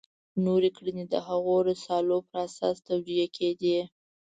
نورې کړنې د هغو رسالو پر اساس توجیه کېدې.